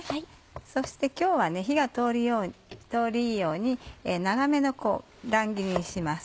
そして今日は火通りがいいように長めの乱切りにします。